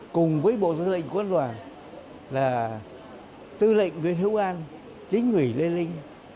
cùng với bộ tư lệnh quân đoàn là tư lệnh nguyễn hữu an chính nguyễn lê linh